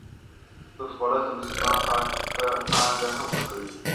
سود خوړل د مسلمان پاکه پانګه هم ورکوي.